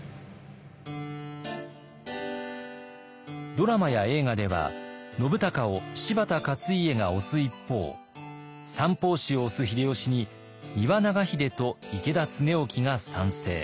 ドラマや映画では信孝を柴田勝家が推す一方三法師を推す秀吉に丹羽長秀と池田恒興が賛成。